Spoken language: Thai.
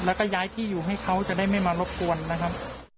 แล้วก็ย้ายที่อยู่ให้เขาจะได้ไม่มารบกวนนะครับ